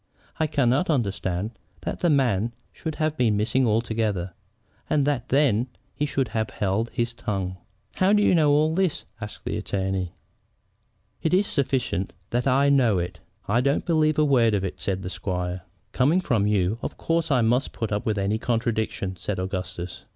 I cannot understand that the man should have been missing altogether, and that then he should have held his tongue." "How do you know all this?" asked the attorney. "It is sufficient that I do know it." "I don't believe a word of it," said the squire. "Coming from you, of course I must put up with any contradiction," said Augustus.